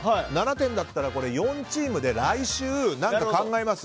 ７点だったら４チームで来週何か考えます。